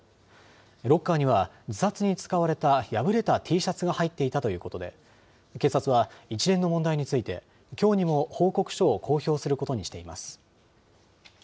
ロッカーには自殺に使われた破れたＴシャツが入っていたということで、警察は一連の問題について、きょうにも報告書を公表することにしています。